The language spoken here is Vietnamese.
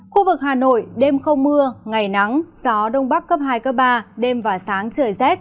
khu vực hà nội đêm không mưa ngày nắng gió đông bắc cấp hai cấp ba đêm và sáng trời rét